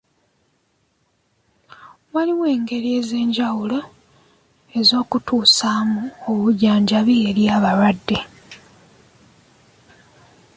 Waliwo engeri ez'enjawulo ez'okutusaamu obujjanjabi eri abalwadde.